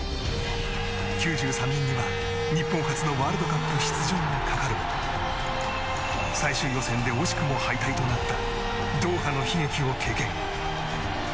９３年には、日本初のワールドカップ出場がかかるも最終予選で惜しくも敗退となったドーハの悲劇を経験。